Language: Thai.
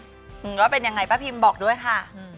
ว่าเป็นยังไงป้าพิมบอกด้วยค่ะ